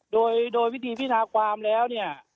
โดยวิธีพินาความแล้วเนี่ย